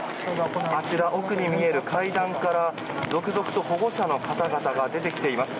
あちら奥に見える階段から続々と保護者の方々が出てきています。